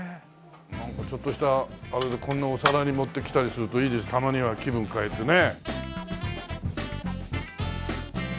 なんかちょっとしたあれでこんなお皿に盛ってきたりするといいですたまには気分変えてね。